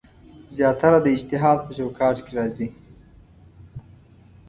زیاتره د اجتهاد په چوکاټ کې راځي.